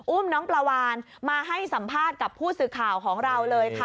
อุ้มน้องปลาวานมาให้สัมภาษณ์กับผู้สื่อข่าวของเราเลยค่ะ